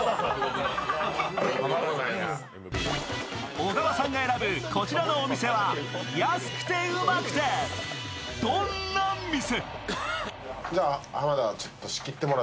小川さんが選ぶこちらのお店は安くてウマくてどんな店？